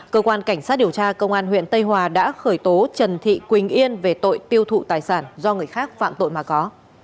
cơ quan cảnh sát điều tra công an huyện tây hòa đã khởi tố trần thị quỳnh yên về tội tiêu thụ tài sản do người khác phạm tội mà có